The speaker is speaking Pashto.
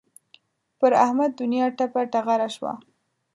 پر احمد دونیا ټپه ټغره شوه.